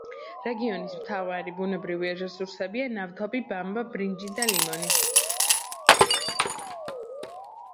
რეგიონის მთავარი ბუნებრივი რესურსებია: ნავთობი, ბამბა, ბრინჯი და ლიმონი.